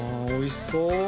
おいしそう！